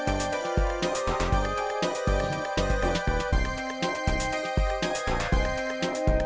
ya kan muslim pu'rseangance di sana